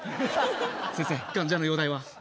先生患者の容体は？